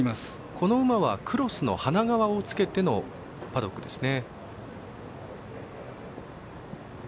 この馬はクロスの鼻革を着けてのパドックですね。